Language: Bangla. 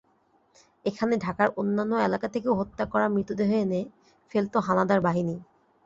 এখানে ঢাকার অন্যান্য এলাকা থেকে হত্যা করা মৃতদেহ এনে ফেলত হানাদার বাহিনী।